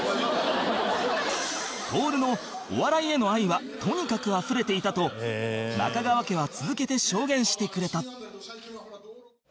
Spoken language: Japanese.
徹のお笑いへの愛はとにかくあふれていたと中川家は続けて証言してくれた